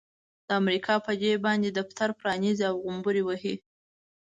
د امريکا په جيب باندې دفتر پرانيزي او غومبر وهي.